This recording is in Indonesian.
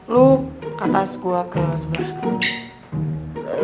lo ke atas gue ke sebelah